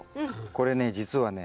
これね実はね